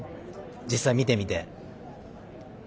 実際、見てみて。